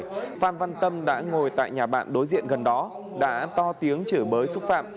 tối ngày phan văn tâm đã ngồi tại nhà bạn đối diện gần đó đã to tiếng chửi mới xúc phạm